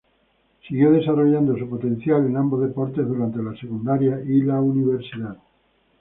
Siguió desarrollando su potencial en ambos deportes durante la secundaria y la universidad.